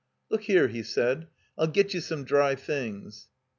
"Look here," he said, "I'll get you some dry things."